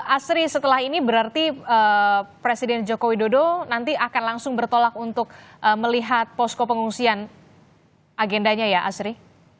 asri setelah ini berarti presiden joko widodo nanti akan langsung bertolak untuk melihat posko pengungsian agendanya ya asri